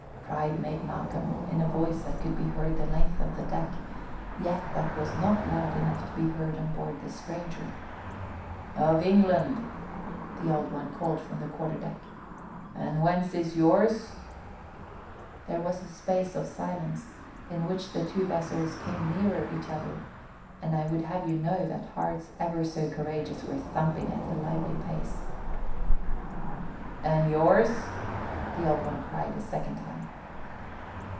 cried Mate Malcolm in a voice that could be heard the length of the deck, yet that was not loud enough to be heard on board the stranger. "Of England," the Old One called from the quarter deck. "And whence is yours?" There was a space of silence, in which the two vessels came nearer each other, and I would have you know that hearts ever so courageous were thumping at a lively pace. "And yours?" the Old One cried the second time.